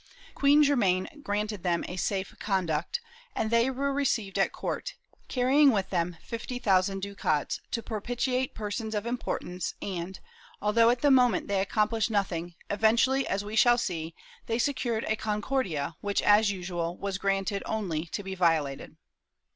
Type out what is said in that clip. Queen Germaine granted them a safe conduct, and they were received at court, carrying with them fifty thousand ducats to propitiate persons of importance and, although at the moment they accomplished nothing, eventually, as we shall see, they secured a Concordia which, as usual, was granted only to be violated.